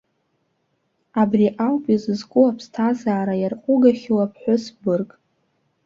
Абри ауп изызку аԥсҭазаара иарҟәыгахьоу аԥҳәыс бырг.